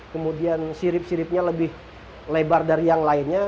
kemudian sirip siripnya lebih lebar dari yang lainnya